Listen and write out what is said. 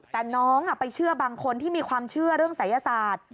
แต่น้องไปเชื่อบางคนที่มีความเชื่อเรื่องศัยศาสตร์